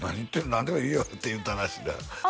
何でもいいよって言うたらしいなあ